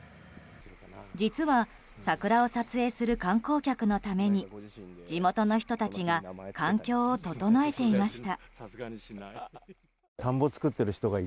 実は、桜を撮影する観光客のために地元の人たちが環境を整えていました。